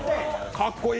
かっこいい。